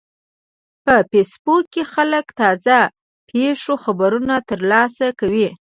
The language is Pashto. په فېسبوک کې خلک د تازه پیښو خبرونه ترلاسه کوي